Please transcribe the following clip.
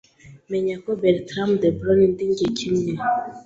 Menya ko Bertram de Born Ndi njye kimwe